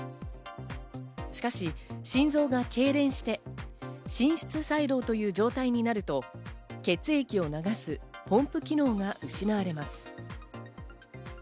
しかし、心臓が痙攣して心室細動という状態になると、血液を流すポンプ機能が失われます。